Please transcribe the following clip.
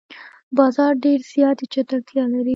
باز ډېر زیاتې چټکتیا لري